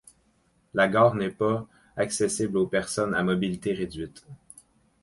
La gare n'est pas accessible aux personnes à mobilité réduite.